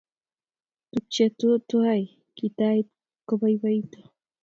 tukchewetutai kitait kopoipoito